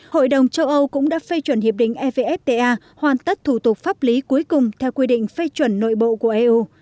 hội đồng châu âu cũng đã phê chuẩn hiệp định evfta hoàn tất thủ tục pháp lý cuối cùng theo quy định phê chuẩn nội bộ của eu